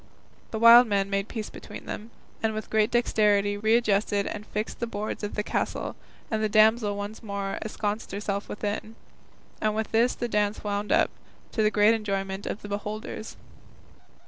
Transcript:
The wild men made peace between them, and with great dexterity readjusted and fixed the boards of the castle, and the damsel once more ensconced herself within; and with this the dance wound up, to the great enjoyment of the beholders.